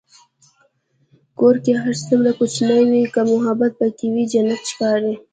کور که هر څومره کوچنی وي، که محبت پکې وي، جنت ښکاري.